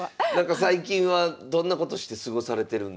最近はどんなことして過ごされてるんでしょうか。